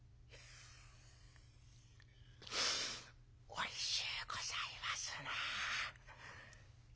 「おいしゅうございますな」。